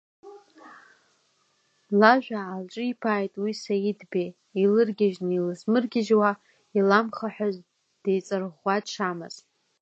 Лажәа аалҿиԥааит уи Саиҭбеи, илыргьежьны илызмыргьежьуа, иламхаҳәаз деиҵарӷәӷәа дшамаз.